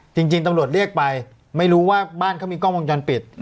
จริงตำรวจเรียกไปไม่รู้ว่าบ้านเขามีกล้องวงจรปิด